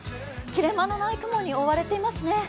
切れ間のない雲に覆われていますね。